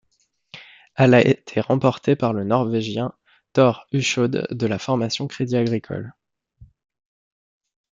Elle a été remportée par le Norvégien Thor Hushovd de la formation Crédit Agricole.